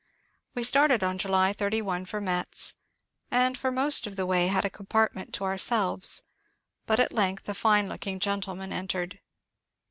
We started on July 81 for Metz, and for most of the way had a compartment to ourselves ; but at length a fine look ing gentleman entered.